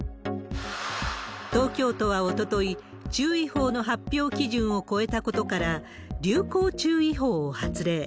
東京都はおととい、注意報の発表基準を超えたことから、流行注意報を発令。